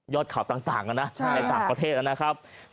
ข่าวต่างในต่างประเทศนะครับ